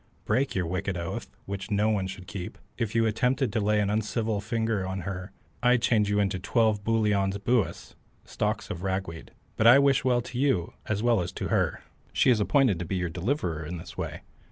"Break your wicked oath, which no one should keep. If you attempted to lay an uncivil finger on her I'd change you into twelve booliaun buis (stalks of ragweed), but I wish well to you as well as to her. She is appointed to be your deliverer in this way.